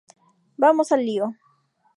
Vamos al lío!!